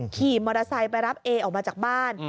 ขี่มอเตอร์ไซค์ไปรับเอออกมาจากบ้าน